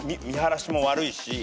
見晴らしも悪いし。